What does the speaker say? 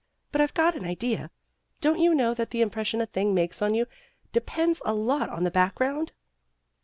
But I've got an idea Don't you know that the impression a thing makes on you depends a lot on the background!"